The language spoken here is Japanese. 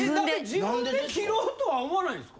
自分で切ろうとは思わないんですか？